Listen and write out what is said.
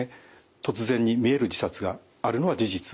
突然に見える自殺があるのは事実です。